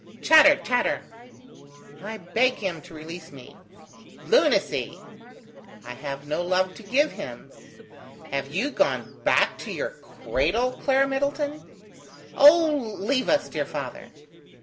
." "Chatter! chatter!" "I beg him to release me." "Lunacy!" "I have no love to give him." "Have you gone back to your cradle, Clara Middleton?" "Oh, leave us, dear father!"